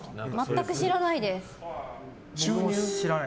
僕も知らないです。